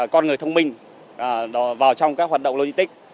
con người thông minh vào trong các hoạt động logistics